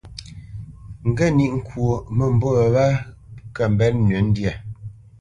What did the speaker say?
Ŋge níʼ ŋkwó mə́mbû wě wa kə mbenə́ nʉ́ ndyâ.